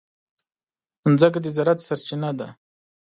مځکه د زراعت سرچینه ده.